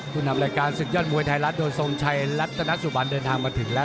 นำรายการศึกยอดมวยไทยรัฐโดยทรงชัยรัตนสุบันเดินทางมาถึงแล้ว